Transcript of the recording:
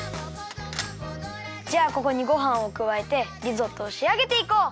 じゃあここにごはんをくわえてリゾットをしあげていこう！